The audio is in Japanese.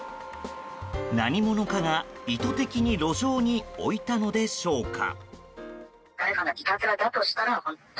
何者かが意図的に路上に置いたのでしょうか。